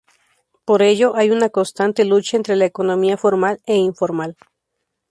Por ello, hay una constante lucha entre la economía formal e informal.